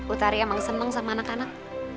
utari emang seneng sama anak anak